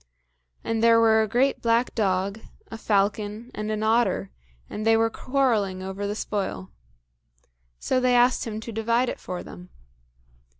And there were a great black dog, a falcon, and an otter, and they were quarrelling over the spoil. So they asked him to divide it for them.